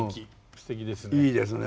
すてきですね。